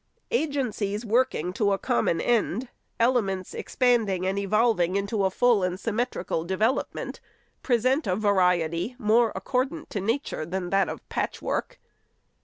Agencies working to a common end, elements expanding and evolving into a full and symmetrical devel opment, present a variety more accordant to nature than VOL. i. 86 546 THE SECRETARY'S that of patchwork.